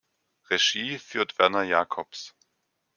Regie führt Werner Jacobs.